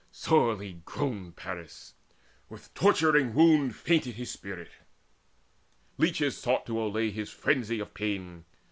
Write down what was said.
Sorely groaned Paris; with the torturing wound Fainted his spirit. Leeches sought to allay His frenzy of pain.